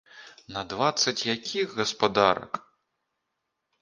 На дваццаць якіх гаспадарак!